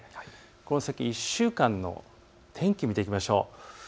この先１週間の天気を見ていきましょう。